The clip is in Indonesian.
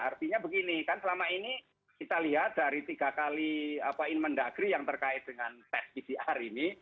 artinya begini kan selama ini kita lihat dari tiga kali inmen dagri yang terkait dengan tes pcr ini